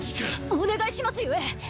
お願いしますゆえ！